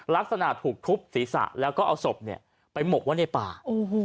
ลักษณะถูกทุบศีรษะแล้วก็เอาศพเนี่ยไปหมกว่าในป่าโอ้โห